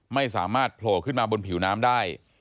ไม่สามารถโผล่ขึ้นมาบนผิวน้ำได้